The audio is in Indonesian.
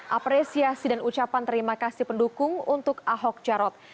apresiasi dan ucapan terima kasih pendukung untuk ahok jarot